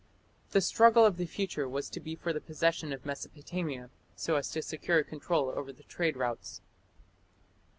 The struggle of the future was to be for the possession of Mesopotamia, so as to secure control over the trade routes.